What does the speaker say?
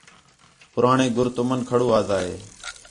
پُراݨے گُر تُمن کھڑو آدا ہے